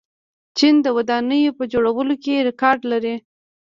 چین د ودانیو په جوړولو کې ریکارډ لري.